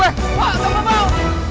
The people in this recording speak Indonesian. bu temu bu